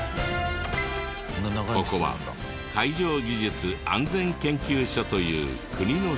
ここは海上技術安全研究所という国の施設。